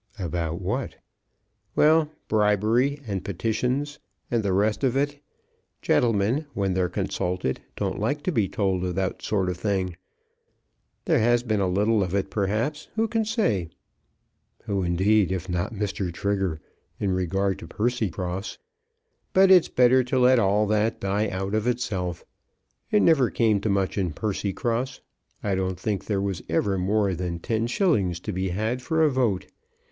"About what?" "Well; bribery and petitions, and the rest of it. Gentlemen when they're consulted don't like to be told of those sort of things. There has been a little of it, perhaps. Who can say?" Who, indeed, if not Mr. Trigger, in regard to Percycross? "But it's better to let all that die out of itself. It never came to much in Percycross. I don't think there was ever more than ten shillings to be had for a vote.